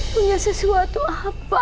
punya sesuatu apa